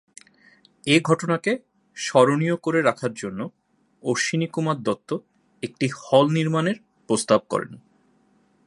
এ ঘটনাকে স্মরণীয় করে রাখার জন্য অশ্বিনীকুমার দত্ত একটি হল নির্মাণের প্রস্তাব করেন।